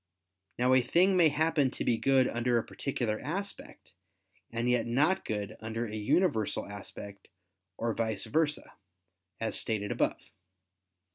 Now a thing may happen to be good under a particular aspect, and yet not good under a universal aspect, or vice versa, as stated above.